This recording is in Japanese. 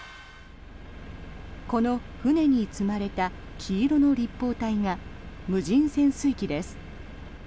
この船に積まれた黄色の立方体が無人潜水機です。